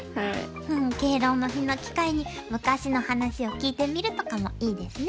敬老の日の機会に昔の話を聞いてみるとかもいいですね。